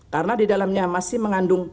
karena di dalamnya masih mengandung